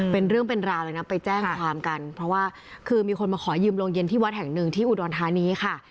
เป็นเรื่องเป็นราวเลยนะไปแจ้งความกันเพราะว่าคือมีคนมาขอยืมโรงเย็นที่วัดแห่งหนึ่งที่อุดรธานีค่ะ